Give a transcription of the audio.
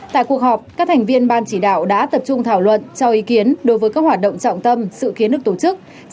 tại cuộc họp các thành viên ban chỉ đạo đã tập trung thảo luận cho ý kiến đối với các hoạt động trọng tâm sự kiến được tổ chức